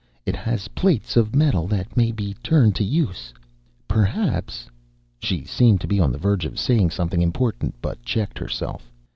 "It has plates of metal that may be turned to use. Perhaps " She seemed to be on the verge of saying something important, but checked herself.